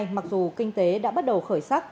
mặc dù kinh tế đã bắt đầu khởi sắc